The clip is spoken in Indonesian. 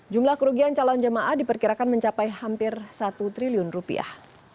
jumlah kerugian calon jemaah diperkirakan mencapai hampir satu triliun rupiah